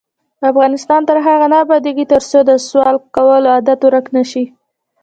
افغانستان تر هغو نه ابادیږي، ترڅو د سوال کولو عادت ورک نشي.